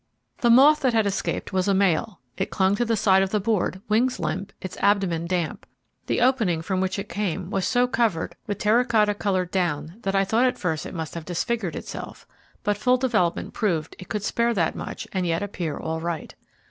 The moth that had escaped was a male. It clung to the side of the board, wings limp, its abdomen damp. The opening from which it came was so covered with terra cotta coloured down that I thought at first it must have disfigured itself; but full development proved it could spare that much and yet appear all right.